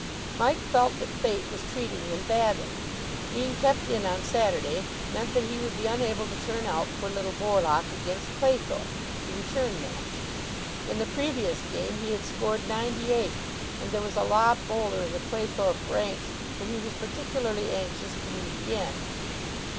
Mike felt that Fate was treating him badly. Being kept in on Saturday meant that he would be unable to turn out for Little Borlock against Claythorpe, the return match. In the previous game he had scored ninety eight, and there was a lob bowler in the Claythorpe ranks whom he was particularly anxious to meet again.